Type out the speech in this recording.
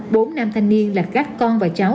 bốn nam thanh niên là các con và cháu